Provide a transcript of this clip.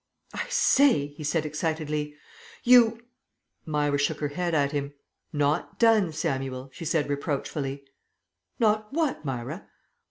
"I say," he said excitedly. "You " Myra shook her head at him. "Not done, Samuel," she said reproachfully. "Not what, Myra?